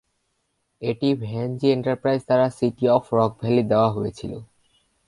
এটি Van G enterprise দ্বারা City of Rock Valley দেওয়া হয়েছিল।